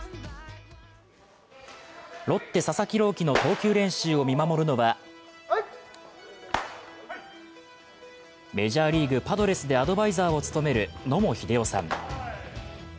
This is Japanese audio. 希の投球練習を見守るのは、メジャーリーグ・パドレスでアドバイザーを務める野茂英雄さん。